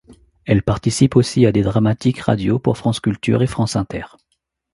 Elle participe aussi à des dramatiques radio pour France Culture et France Inter.